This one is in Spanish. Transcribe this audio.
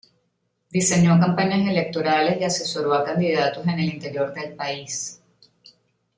Diseñó campañas electorales y asesoró a candidatos en el interior del país.